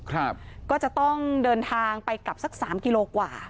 ครับก็จะต้องเดินทางไปกลับสักสามกิโลกว่า